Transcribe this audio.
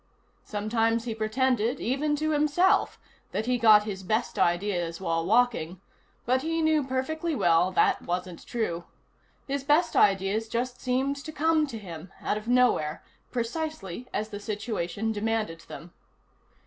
Sometimes he pretended, even to himself, that he got his best ideas while walking, but he knew perfectly well that wasn't true. His best ideas just seemed to come to him, out of nowhere, precisely as the situation demanded them.